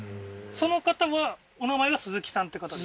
その方はお名前はスズキさんって方で？